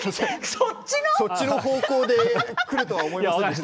そっちの方向でくるとは思いませんでした。